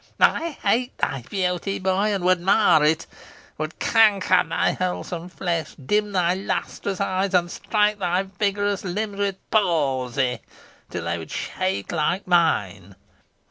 I hate thy beauty, boy, and would mar it! would canker thy wholesome flesh, dim thy lustrous eyes, and strike thy vigorous limbs with palsy, till they should shake like mine!